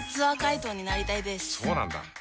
そうなんだ。